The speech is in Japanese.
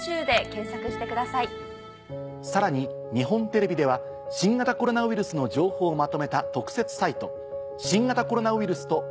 さらに日本テレビでは新型コロナウイルスの情報をまとめた。を公開しています。